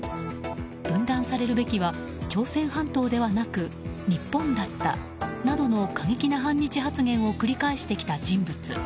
分断されるべきは朝鮮半島ではなく日本だったなどの過激な反日発言を繰り返してきた人物。